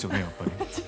やっぱり。